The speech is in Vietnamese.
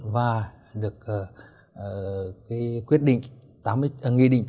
và được quyết định tám mươi chín hai nghìn một mươi năm